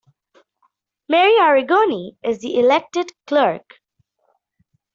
Marie Arrigoni is the elected Clerk.